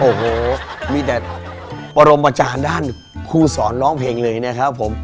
โอ้โหมีแต่ปรมอาจารย์ด้านครูสอนร้องเพลงเลยนะครับผม